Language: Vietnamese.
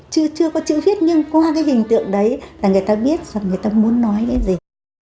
chứ chưa có chữ viết nhưng qua cái hình tượng đấy là người ta biết rằng người ta muốn nói cái gì